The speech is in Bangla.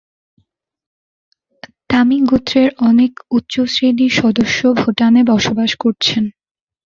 তামি গোত্রের অনেক উচ্চ শ্রেণীর সদস্য ভুটানে বসবাস করছেন।